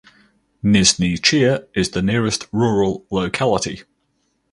Nizhny Chir is the nearest rural locality.